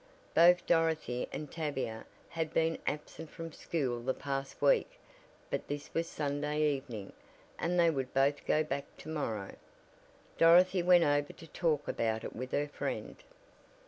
Both Dorothy and Tavia had been absent from school the past week but this was Sunday evening, and they would both go back to morrow. Dorothy went over to talk about it with her friend.